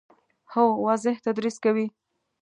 هو، واضح تدریس کوي